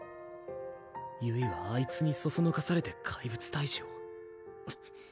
ゆいはあいつにそそのかされて怪物退治を？